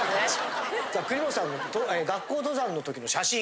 国本さんの学校登山の時の写真。